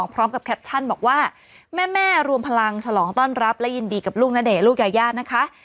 พร้อมกับแคปชั่นบอกว่าแม่รวมพลังฉลองต้อนรับและยินดีกับลูกณเดชนลูกยายานะคะ